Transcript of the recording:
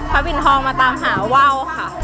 พระบินทรมาตามหาว่าว